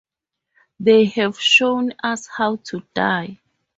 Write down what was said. They have shown us how to die.